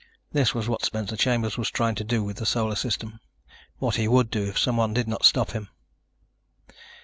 This was what Spencer Chambers was trying to do with the Solar System ... what he would do if someone did not stop him.